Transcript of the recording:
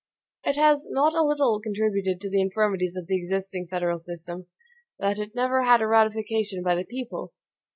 It has not a little contributed to the infirmities of the existing federal system, that it never had a ratification by the PEOPLE.